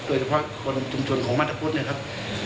โดยเฉพาะคนชุมชนของมาตรพุทธเนี่ยครับ